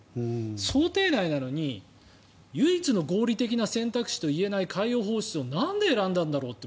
想定内なのに唯一の合理的な選択肢といえない海洋放出をなんで選んだんだろうって